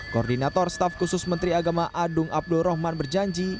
koordinator staf khusus menteri agama adung abdul rahman berjanji